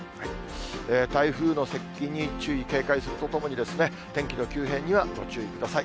台風の接近に注意、警戒するとともに、天気の急変にはご注意ください。